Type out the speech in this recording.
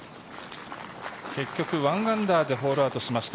結局、１アンダーでホールアウトしました。